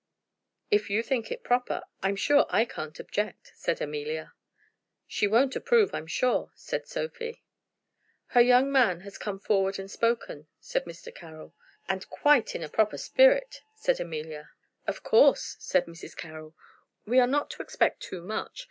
"If you think it proper, I'm sure I can't object," said Amelia. "She won't approve, I'm sure," said Sophie. "Her young man has come forward and spoken," said Mr. Carroll. "And quite in a proper spirit," said Amelia. "Of course," said Mrs. Carroll, "we are not to expect too much.